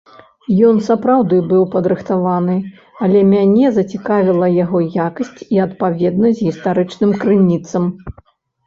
Ён сапраўды быў падрыхтаваны, але мяне зацікавіла яго якасць і адпаведнасць гістарычным крыніцам.